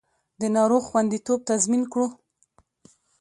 د ناروغ خوندیتوب تضمین کړو